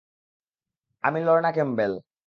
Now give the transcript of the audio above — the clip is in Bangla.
আমি লরনা ক্যাম্পবেল।